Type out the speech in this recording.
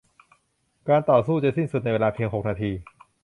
การต่อสู้จะสิ้นสุดในเวลาเพียงหกนาที